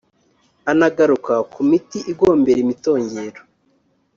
Anagaruka ku miti igombera imitongero